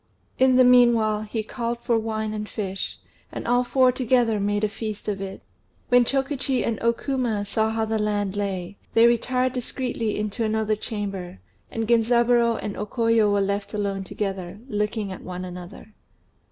In the meanwhile he called for wine and fish, and all four together made a feast of it. When Chokichi and O Kuma saw how the land lay, they retired discreetly into another chamber, and Genzaburô and O Koyo were left alone together, looking at one another.